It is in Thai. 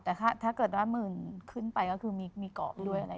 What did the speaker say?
แต่ถ้าเกิดว่าหมื่นขึ้นไปก็คือมีกรอบด้วยอะไร